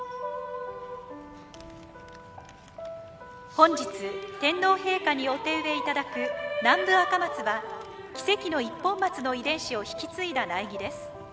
本日天皇陛下にお手植えいただく南部アカマツは奇跡の一本松の遺伝子を引き継いだ苗木です。